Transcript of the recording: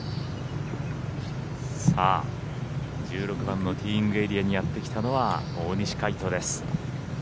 １６番のティーイングエリアにやってきたのは大西魁斗です。